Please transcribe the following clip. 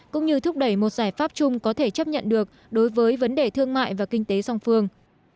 cũng như thúc đẩy một giải pháp chung có thể chấp nhận được đối với vấn đề thương mại và kinh tế song phương